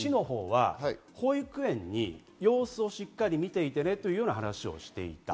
保育園に様子をしっかり見ていてねというような話をしました。